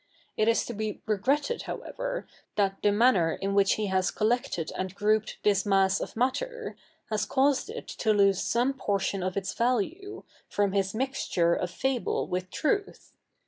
It is to be regretted however that the manner in which he has collected and grouped this mass of matter, has caused it to lose some portion of its value, from his mixture of fable with truth.